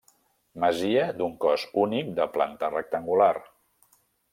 Masia d'un cos únic de planta rectangular.